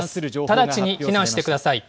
直ちに避難してください。